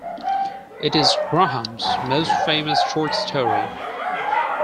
It is Grahame's most famous short story.